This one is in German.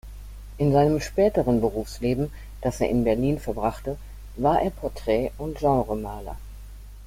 In seinem späteren Berufsleben, das er Berlin verbrachte, war er Porträt- und Genremaler.